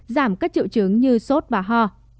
giảm các triệu chứng như sốt và ho